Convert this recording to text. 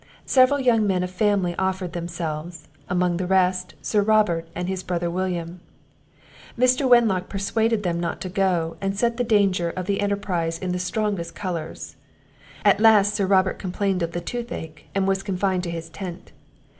Several young men of family offered themselves; among the rest, Sir Robert, and his brother William. Mr. Wenlock persuaded them not to go, and set the danger of the enterprize in the strongest colours. At last Sir Robert complained of the tooth ache, and was confined to his tent.